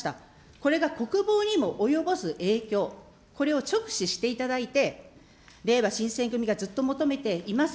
これが国防にも及ぼす影響、これを直視していただいて、れいわ新選組がずっと求めています